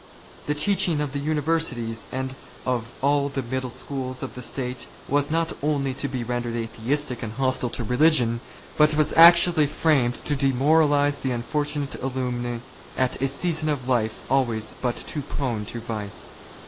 The teaching of the Universities and of all the middle schools of the State, was not only to be rendered Atheistic and hostile to religion, but was actually framed to demoralize the unfortunate alumni at a season of life always but too prone to vice.